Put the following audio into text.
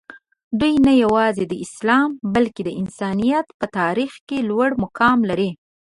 دوي نه یوازې د اسلام بلکې د انسانیت په تاریخ کې لوړ مقام لري.